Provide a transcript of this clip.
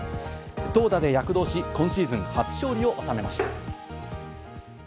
投打で躍動し、今シーズン初勝利を収めました。